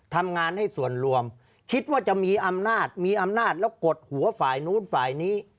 ทำงานให้ส่วนรวมคิดว่าจะมีอำนาจมีอำนาจแล้วกดหัวฝ่ายนู้นฝ่ายนี้